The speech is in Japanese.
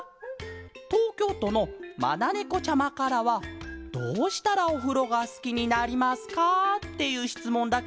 とうきょうとのまなねこちゃまからは「どうしたらおふろがすきになりますか？」っていうしつもんだケロ。